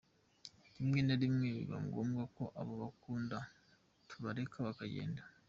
Rimwe na rimwe biba ngombwa ko abo dukunda tubareka bakagenda.